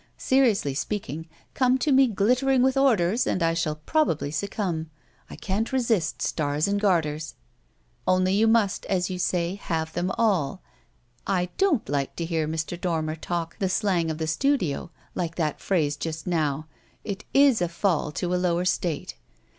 Seriously speaking, come to me glittering with orders and I shall probably succumb. I can't resist stars and garters. Only you must, as you say, have them all. I don't like to hear Mr. Dormer talk the slang of the studio like that phrase just now: it is a fall to a lower state.